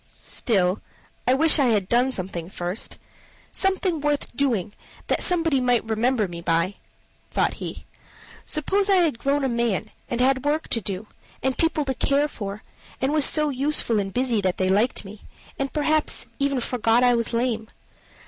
"Still, I wish I had done something first something worth doing, that somebody might remember me by," thought he. "Suppose I had grown a man, and had had work to do, and people to care for, and was so useful and busy that they liked me, and perhaps even forgot I was lame?